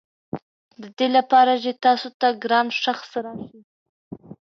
ددې لپاره چې تاسو ته ګران شخص راشي.